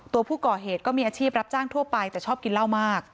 ตัวผู้ก่อเหตุก็มีอาชีพรับจ้างทั่วไปแต่ชอบกินเหล้ามาก